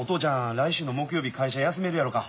来週の木曜日会社休めるやろか？